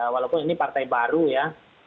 walaupun ini partai baru ya